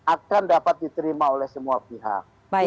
akan dapat diterima oleh semua pihak